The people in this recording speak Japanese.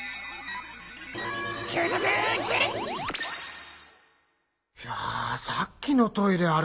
いやさっきのトイレ